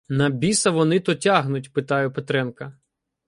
— На біса вони то тягнуть? — питаю Петренка.